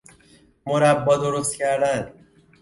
مربا درست کردن